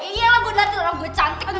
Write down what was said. iya lah gue udah ngerti orang gue cantik